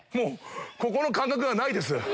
ここの感覚がないです。